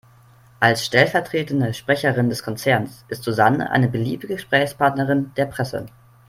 Als stellvertretende Sprecherin des Konzerns ist Susanne eine beliebte Gesprächspartnerin der Presse.